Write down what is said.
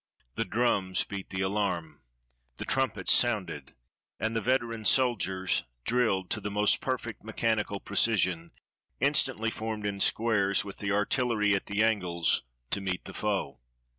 The drums beat the alarm, the trumpets sounded, and the veteran soldiers, drilled to the most perfect mechanical precision, instantly formed in squares, with the artillery at the angles, to meet the foe.